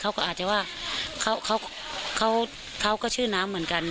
เขาก็อาจจะว่าเขาก็ชื่อน้ำเหมือนกัน